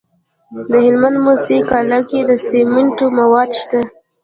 د هلمند په موسی قلعه کې د سمنټو مواد شته.